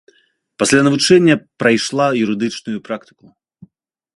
Пасля навучэння прайшла юрыдычную практыку.